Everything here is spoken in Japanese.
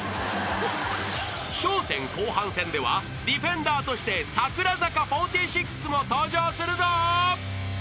［笑１０後半戦ではディフェンダーとして櫻坂４６も登場するぞ］